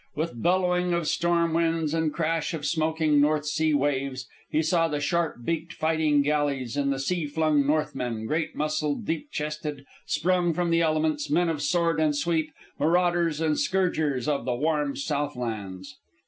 With bellowing of storm winds and crash of smoking North Sea waves, he saw the sharp beaked fighting galleys, and the sea flung Northmen, great muscled, deep chested, sprung from the elements, men of sword and sweep, marauders and scourgers of the warm south lands!